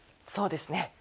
そうですね。